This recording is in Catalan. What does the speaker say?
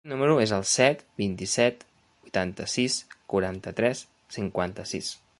El meu número es el set, vint-i-set, vuitanta-sis, quaranta-tres, cinquanta-sis.